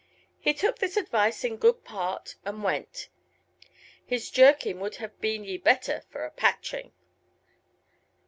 Hee tooke thys advyse in goode parte, and wente. Hys jerkin wolde have beene ye better for a patchinge.